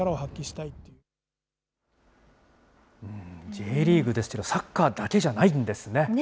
Ｊリーグですと、サッカーだけじゃないんですね。